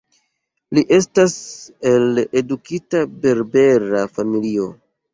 Li estas el edukita berbera familio.